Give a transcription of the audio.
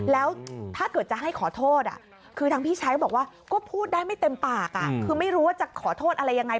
แล้วถ้าเกิดจะให้ขอโทษคือทางพี่ชายก็บอกว่าก็พูดได้ไม่เต็มปากคือไม่รู้ว่าจะขอโทษอะไรยังไง